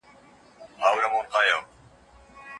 د ملکیار هوتک په کلام کې د عشق او ښکلا انځورګري شوې ده.